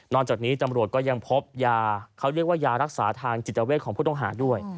นอนจากนี้ตำรวจก็ยังพบยารักษาทางจิตเจ้าเวทของผู้ต้องหาด้วย